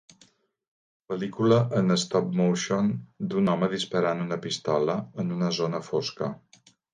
Pel·lícula en stop-motion d'un home disparant una pistola en una zona fosca.